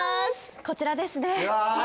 こちらですねわあ